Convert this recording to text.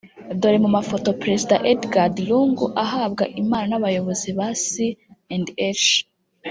Dore mu mafoto Perezida Edgard Lungu ahabwa impano n’abayobozi ba C&H